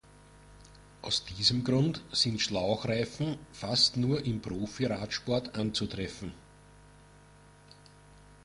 Aus diesem Grund sind Schlauchreifen fast nur im Profiradsport anzutreffen.